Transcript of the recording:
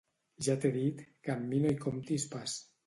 Ja t'he dit que amb mi no hi comptis pas.